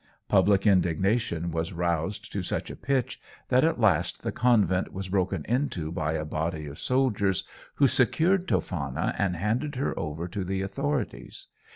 Public indignation was roused to such a pitch, that at last the convent was broken into by a body of soldiers, who secured Toffana and handed her over to the authorities.